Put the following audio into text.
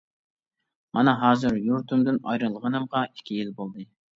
مانا ھازىر يۇرتۇمدىن ئايرىلغىنىمغا ئىككى يىل بولدى.